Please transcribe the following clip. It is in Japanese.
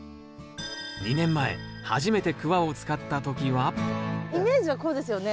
２年前初めてクワを使った時はイメージはこうですよね？